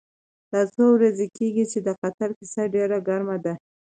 دا څو ورځې کېږي چې د قطر کیسه ډېره ګرمه ده.